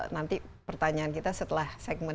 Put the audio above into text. nanti pertanyaan kita setelah segmen